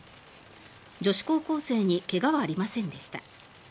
女子高校生に怪我はありませんでした。